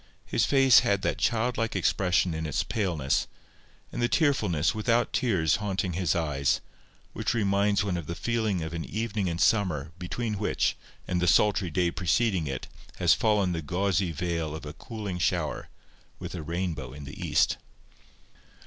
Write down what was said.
His face had that child like expression in its paleness, and the tearfulness without tears haunting his eyes, which reminds one of the feeling of an evening in summer between which and the sultry day preceding it has fallen the gauzy veil of a cooling shower, with a rainbow in the east.